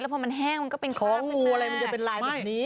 พอมันแห้งมันก็เป็นของงูอะไรมันจะเป็นลายแบบนี้